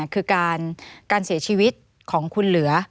คือการเสียชีวิตของคุณเหลือ